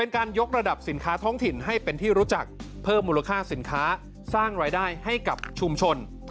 การยกระดับสินค้าท้องถิ่นให้เป็นที่รู้จักเพิ่มมูลค่าสินค้าสร้างรายได้ให้กับชุมชน